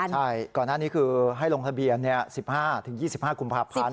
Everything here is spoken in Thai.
ใช่ก่อนหน้านี้คือให้ลงทะเบียน๑๕ถึง๒๕กพ